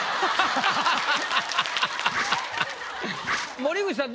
森口さん